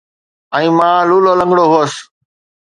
۽ مان لولا لنگڙو هوس